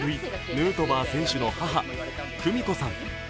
ヌートバー選手の母・久美子さん。